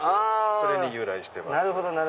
それに由来してます。